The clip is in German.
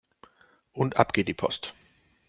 Und ab geht die Post!